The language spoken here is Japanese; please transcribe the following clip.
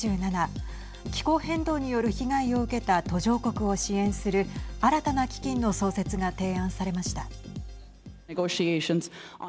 気候変動による被害を受けた途上国を支援する新たな基金の創設が提案されました。